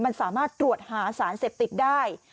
มันสามารถตรวจหาสารเสพติดได้